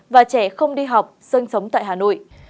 và trẻ không đi học sinh sống tại hà nội